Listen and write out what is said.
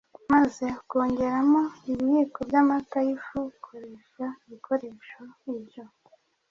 maze ukongeramo ibiyiko by amata y ifu Koresha ibikoresho ibyo